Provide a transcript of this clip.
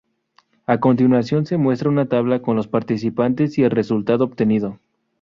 A continuación se muestra una tabla con los participantes y el resultado obtenido.